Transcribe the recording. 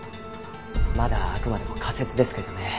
まだあくまでも仮説ですけどね。